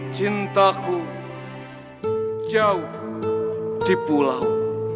cintaku jauh di pulau